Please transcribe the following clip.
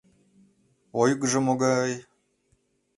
Ойгыжо могай!